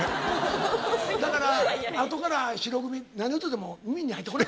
だからあとから白組何歌うても耳に入ってこない。